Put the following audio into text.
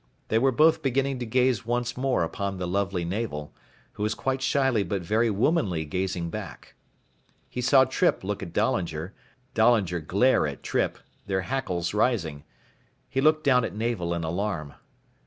They were both beginning to gaze once more upon the lovely Navel, who was quite shyly but very womanly gazing back. He saw Trippe look at Dahlinger, Dahlinger glare at Trippe, their hackles rising. He looked down at Navel in alarm.